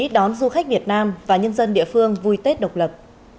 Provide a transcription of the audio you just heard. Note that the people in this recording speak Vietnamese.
đón du khách việt nam và nhân dân địa phương vui tết độc lập